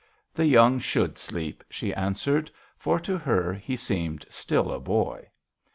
" The young should sleep," she answered, for to her he seemed still a boy.